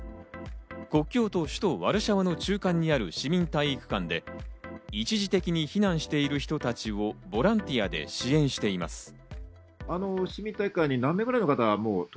国境と首都ワルシャワの中間にある市民体育館で一時的に避難している人たちをボランティアで支援しています。